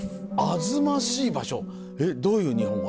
「あずましい場所」どういう日本語？